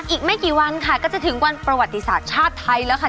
อีกไม่กี่วันค่ะก็จะถึงวันประวัติศาสตร์ชาติไทยแล้วค่ะ